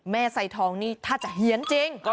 แม่ไซ้ทองถ้าจะเหี้ยนจริง